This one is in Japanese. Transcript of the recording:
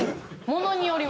ものによる。